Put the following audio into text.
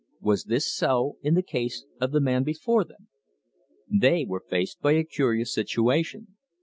Was this so in the case of the man before them? They were faced by a curious situation.